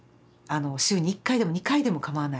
週に１回でも２回でもかまわない。